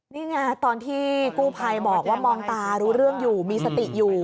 นี่ไงตอนที่กู้ภัยบอกว่ามองตารู้เรื่องอยู่มีสติอยู่